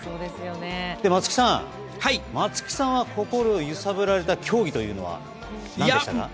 松木さんは、心揺さぶられた競技というのは何でしたか？